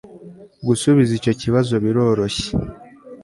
gusubiza icyo kibazo biroroshye